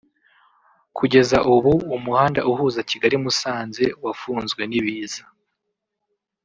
Kugeza ubu umuhanda uhuza Kigali- Musanze wafunzwe n’ibiza